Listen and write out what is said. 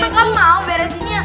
emang kamu mau beresinnya